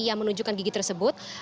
yang menunjukkan gigi tersebut